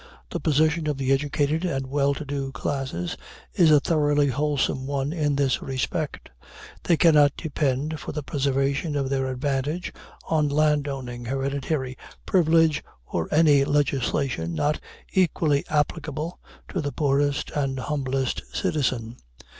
The position of the educated and well to do classes is a thoroughly wholesome one in this respect: they cannot depend for the preservation of their advantages on land owning, hereditary privilege, or any legislation not equally applicable to the poorest and humblest citizen.